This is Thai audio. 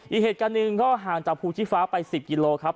อีกเหตุการณ์หนึ่งก็ห่างจากภูชีฟ้าไป๑๐กิโลครับ